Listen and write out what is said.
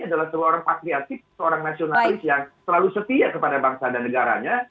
adalah seorang patriatif seorang nasionalis yang selalu setia kepada bangsa dan negaranya